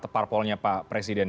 parpolnya pak presiden